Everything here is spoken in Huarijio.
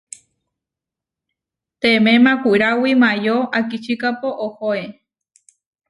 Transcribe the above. Teemé makuráwi Maayó akičíkapo ohoé.